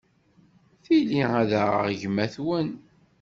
Tili ad aɣeɣ gma-twen.